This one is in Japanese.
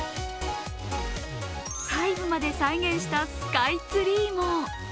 細部まで再現したスカイツリーも。